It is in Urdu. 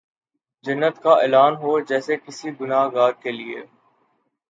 جنت کا اعلان ہو جیسے کسی گناہ گار کیلئے